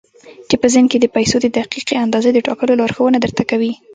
چې په ذهن کې د پيسو د دقيقې اندازې د ټاکلو لارښوونه درته کوي.